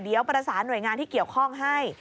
เดี๋ยวประสานหน่วยงานที่เกี่ยวข้องให้